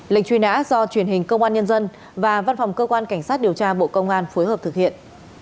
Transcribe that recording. lệnh truy nã do truyền hình công an nhân dân và văn phòng cơ quan cảnh sát điều tra bộ công an phối hợp thực hiện